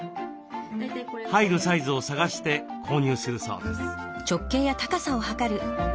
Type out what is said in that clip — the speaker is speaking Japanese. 入るサイズを探して購入するそうです。